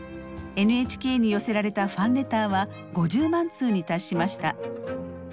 ＮＨＫに寄せられたファンレターは５０万通に達しました。